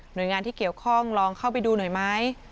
โดยงานที่เกี่ยวข้องลองเข้าไปดูหน่อยไหม